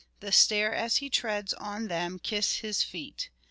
The stairs as he treads on them kiss his feet.